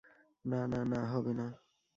না, না, না, হবেনা।